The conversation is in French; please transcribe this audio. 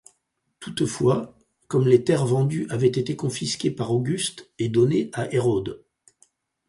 Toutefois comme les terres vendues avaient été confisquées par Auguste et données à Hérode.